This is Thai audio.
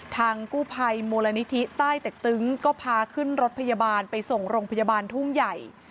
ทางกู้ภัยมูลนิธิใต้เต็กตึงก็พาขึ้นรถพยาบาลไปส่งโรงพยาบาลทุ่งใหญ่